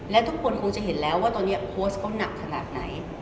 และทุกคนคงจะเห็นแล้วว่าตอนนี้โพสต์เขาหนักขนาดไหน